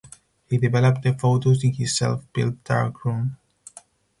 He developed the photos in his self built darkroom.